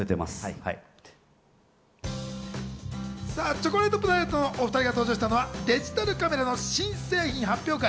チョコレートプラネットのお２人が登場したのはデジタルカメラの新製品発表会。